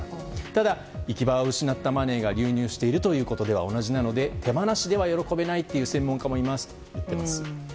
ただ、行き場を失ったマネーが流入しているということでは同じなので手放しでは喜べないという専門家もいますと言っています。